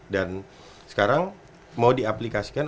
dan sekarang mau diaplikasikan